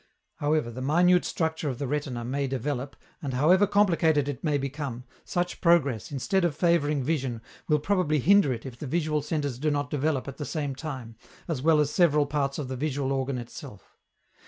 However the minute structure of the retina may develop, and however complicated it may become, such progress, instead of favoring vision, will probably hinder it if the visual centres do not develop at the same time, as well as several parts of the visual organ itself.